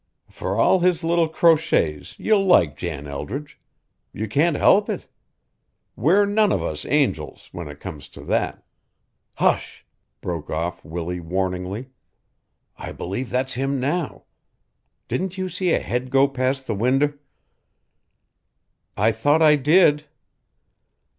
Fur all his little crochets you'll like Jan Eldridge. You can't help it. We're none of us angels when it comes to that. Hush!" broke off Willie warningly. "I believe that's him now. Didn't you see a head go past the winder?" "I thought I did."